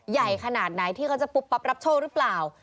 ใหญ่ขนาดไหนที่เขาจะปุ๊บปั๊บรับโชคหรือเปล่า